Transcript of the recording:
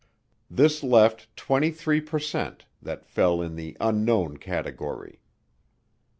This left 23 per cent that fell in the "unknown" category.